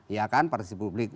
ya kan partisipasi publik